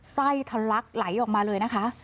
ไส้ทะลักไหลออกมาเลยนะคะ